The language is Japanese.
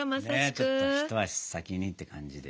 ちょっと一足先にって感じで。